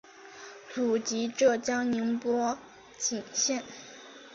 祖籍浙江宁波鄞县。